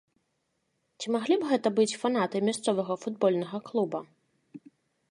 Ці маглі б гэта быць фанаты мясцовага футбольнага клуба?